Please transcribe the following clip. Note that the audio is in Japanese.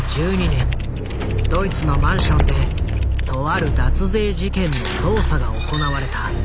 ２０１２年ドイツのマンションでとある脱税事件の捜査が行われた。